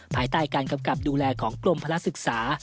ภายใต้การกำกับดูแลของกรมพลักษึกษา